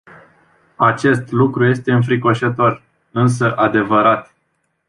Acest lucru este înfricoșător, însă adevărat.